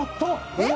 「えっ？」